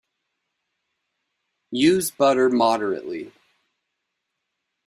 Use butter moderately.